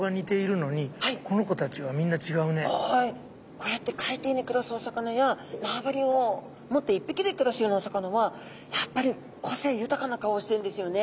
こうやって海底に暮らすお魚や縄張りを持って１匹で暮らすようなお魚はやっぱり個性豊かな顔してんですよね。